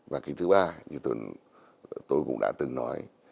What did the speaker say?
và cái thứ ba như tôi cũng đã từng nói